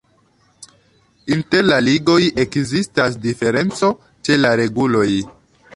Inter la ligoj ekzistas diferenco ĉe la reguloj.